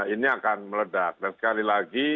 ini akan meledak dan sekali lagi